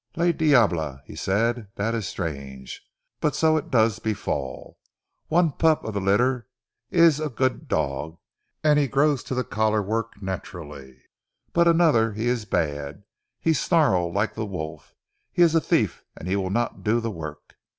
"Le diable!" he said. "Dat is strange. But so it does befall. One pup of ze litter he ees a good dog, and he grows to ze collar work naturally; but anoder he is bad, he snarl like ze wolf, he is a thief, he will not do ze work.